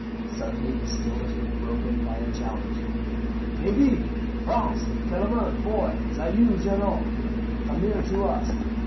Suddenly the stillness was broken by a challenge, 'QUI VIVE?' 'France!' 'Kellerman!' 'Foy!' 'Is it you, General? come nearer to us.'